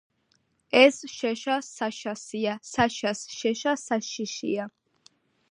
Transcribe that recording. ეს შეშა საშასია, საშას შეშა საშიშია.